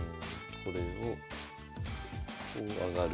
これをこう上がる。